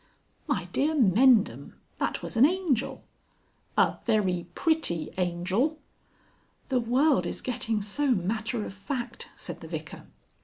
"My dear Mendham that was an Angel!" "A very pretty Angel?" "The world is getting so matter of fact," said the Vicar.